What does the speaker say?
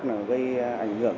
là gây ảnh hưởng